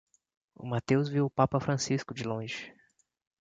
O Mateus viu o Papa Francisco de longe.